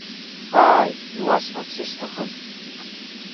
Ааи, иуасҳәарц исҭахыз.